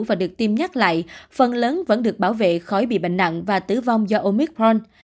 và được tiêm nhắc lại phần lớn vẫn được bảo vệ khỏi bị bệnh nặng và tử vong do omicron